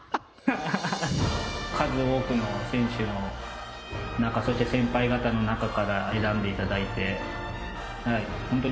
数多くの選手の中そして先輩方の中から選んで頂いて。